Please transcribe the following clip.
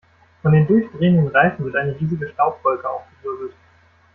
Von den durchdrehenden Reifen wird eine riesige Staubwolke aufgewirbelt.